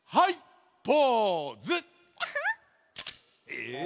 え？